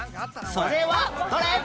それはどれ？